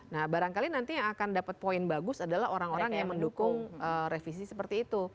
nah barangkali nanti yang akan dapat poin bagus adalah orang orang yang mendukung revisi seperti itu